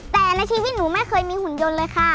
แต่ในชีวิตหนูไม่เคยมีหุ่นยนต์เลยค่ะ